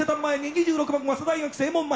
２６番早稲田大学正門前。